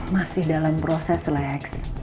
masih dalam proses lex